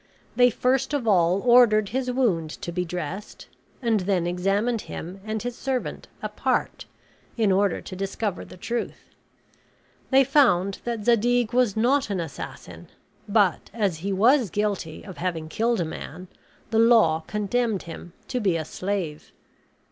They first of all ordered his wound to be dressed, and then examined him and his servant apart, in order to discover the truth. They found that Zadig was not an assassin; but as he was guilty of having killed a man, the law condemned him to be a slave.